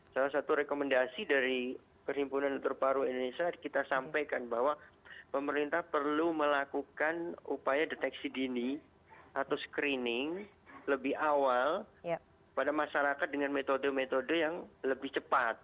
salah satu rekomendasi dari perhimpunan terbaru indonesia kita sampaikan bahwa pemerintah perlu melakukan upaya deteksi dini atau screening lebih awal pada masyarakat dengan metode metode yang lebih cepat